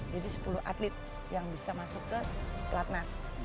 jadi sepuluh atlet yang bisa masuk ke pelat nas